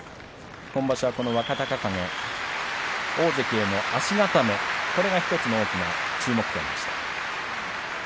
今場所はこの若隆景大関への足固めこれが１つの大きな注目点でした。